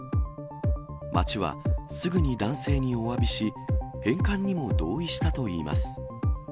町は、すぐに男性におわびし、返還にも同意したといいます。